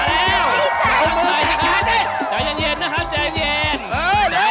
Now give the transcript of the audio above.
ครับที่๙ค่ะใจเย็นนะคะใจเย็น